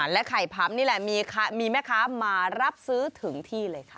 และไข่พำนี่แหละมีแม่ค้ามารับซื้อถึงที่เลยค่ะ